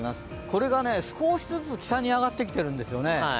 これが少しずつ北に上がってきているんですよね。